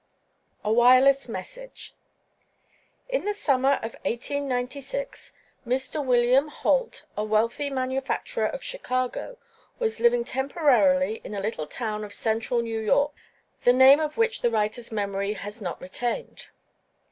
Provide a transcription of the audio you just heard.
A WIRELESS MESSAGE IN the summer of 1896 Mr. William Holt, a wealthy manufacturer of Chicago, was living temporarily in a little town of central New York, the name of which the writer's memory has not retained.